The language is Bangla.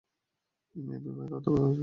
মেয়ে বিবাহিত হতে হবে সেটা জরুরি নয়।